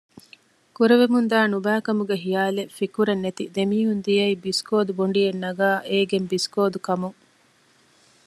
ކުރެވެމުންދާ ނުބައިކަމުގެ ޚިޔާލެއް ފިކުރެއް ނެތި ދެމީހުން ދިޔައީ ބިސްކޯދު ބޮނޑިއެއް ނަގާ އޭގެން ބިސްކޯދު ކަމުން